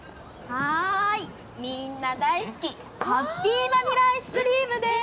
はいみんな大好きハッピーバニラアイスクリームです。